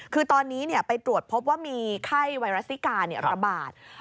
คือตอนนี้ไปตรวจพบว่ามีไข้ไวรัสซิการะบาด